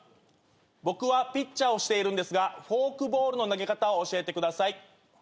僕はピッチャーをしているんですがフォークボールの投げ方を教えてください。